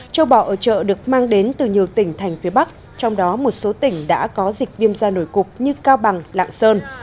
châu bò ở chợ được mang đến từ nhiều tỉnh thành phía bắc trong đó một số tỉnh đã có dịch viêm da nổi cục như cao bằng lạng sơn